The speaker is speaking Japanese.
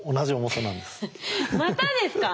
またですか。